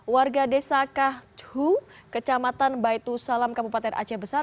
warga desa kacu kecamatan baitu salam kabupaten aceh besar